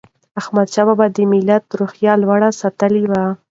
احمدشاه بابا د ملت روحیه لوړه ساتلې وه.